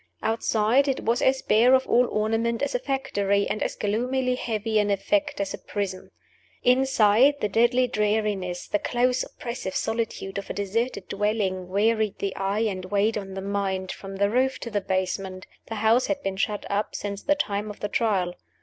Outside, it was as bare of all ornament as a factory, and as gloomily heavy in effect as a prison. Inside, the deadly dreariness, the close, oppressive solitude of a deserted dwelling wearied the eye and weighed on the mind, from the roof to the basement. The house had been shut up since the time of the Trial.